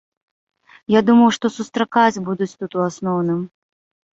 Я думаў, што сустракаць будуць тут ў асноўным.